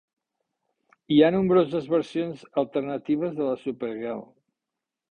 Hi ha nombroses versions alternatives de la Supergirl.